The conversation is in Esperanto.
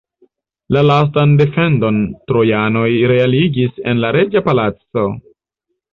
La lastan defendon trojanoj realigis en la reĝa palaco.